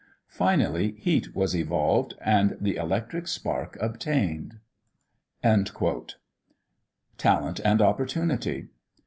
Finally, heat was evolved, and the electric spark obtained." TALENT AND OPPORTUNITY.